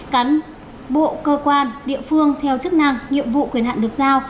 cán bộ cơ quan địa phương theo chức năng nhiệm vụ quyền hạn được giao